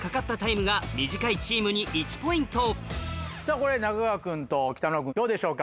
これ中川君と北村君どうでしょうか？